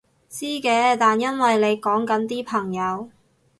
知嘅，但因為你講緊啲朋友